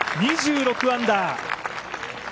２６アンダー。